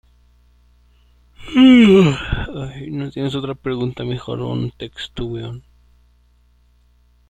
Los espacios se cubren mayormente con bóveda de crucería estrellada.